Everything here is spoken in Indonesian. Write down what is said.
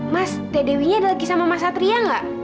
mas tdw nya ada lagi sama mas satria nggak